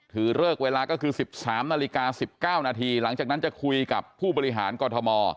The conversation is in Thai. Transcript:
ถือเลิกเวลาก็คือ๑๓นาฬิกา๑๙นาทีหลังจากนั้นจะคุยกับผู้บริหารกรทม